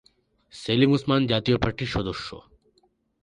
সেলিম ওসমান জাতীয় পার্টির সদস্য।